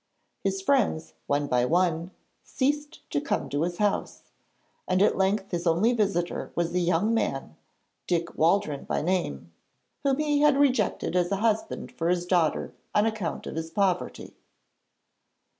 His friends, one by one, ceased to come to his house, and at length his only visitor was a young man Dick Waldron by name whom he had rejected as a husband for his daughter on account of his poverty.